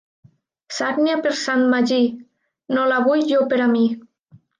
Sagnia per Sant Magí no la vull jo per a mi.